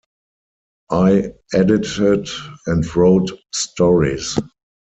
I edited and wrote stories.